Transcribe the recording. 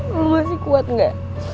lu masih kuat ga